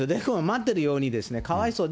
待ってるように、かわいそう。